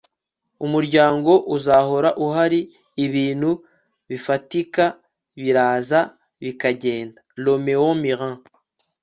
umuryango uzahora uhari. ibintu bifatika, biraza bikagenda. - romeo miller